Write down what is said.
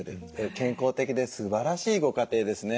健康的ですばらしいご家庭ですね。